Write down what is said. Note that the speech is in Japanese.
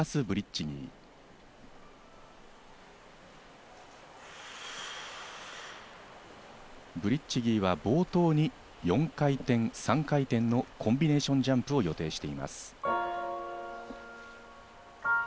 ブリッチギーは冒頭に４回転３回転のコンビネーションジャンプを予定しています。